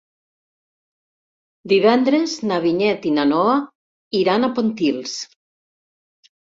Divendres na Vinyet i na Noa iran a Pontils.